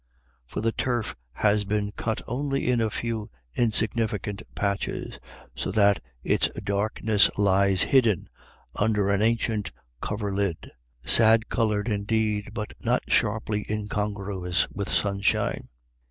For the turf has been cut only in a few insignificant patches ; so that its dark ness lies hidden under an ancient coverlid, sad coloured, indeed, but not sharply incongruous with sunshine.